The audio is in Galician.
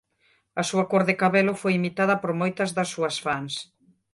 A súa cor de cabelo foi imitada por moitas das súas fans.